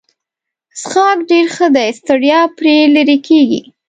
څښاک ډېر ښه دی ستړیا پرې لیرې کیږي.